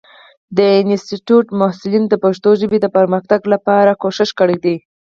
د انسټیټوت محصلینو د پښتو ژبې د پرمختګ لپاره هڅې کړې دي.